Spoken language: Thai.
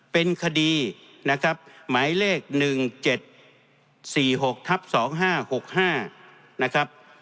เป็นคดีนะครับหมายเลขหนึ่งเจ็ดสี่หกทับสองห้าหกห้านะครับ